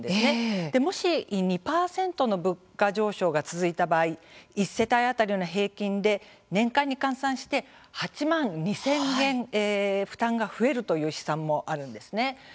もし２％の物価上昇が続いた場合１世帯当たりの平均で年間に換算して８万２０００円、負担が増えるという試算もあるんです。